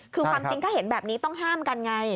คือความจริงถ้าเห็นแบบนี้ต้องห้ามกันไง